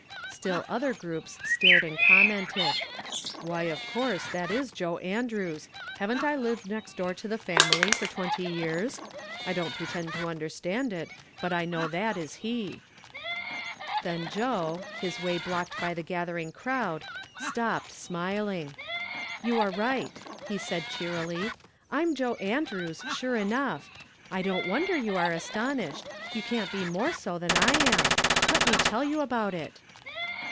Still other groups stared and commented. " Why, of course, that is Joe Andrews I Haven't I lived next door to the family for twenty yeare? I don't pretend to understand it, but I know that is he." Then Joe, liis way blocked by the gathering crowd, stopped, smiling. "You are right," he said cheerily. "I'm Joe Andrews, sure enough. I don't wonder you are astonished ; you can't be more so than I am. Let me tell you about it."